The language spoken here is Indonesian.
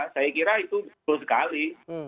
saya kira itu betul sekali